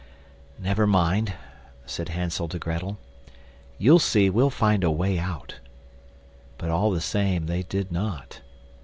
"Never mind," said Hansel to Grettel; "you'll see we'll find a way out"; but all the same they did not.